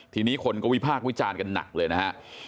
ทีนี้คนก็วิพากษ์วิจารณ์กันหนักเลยนะฮะ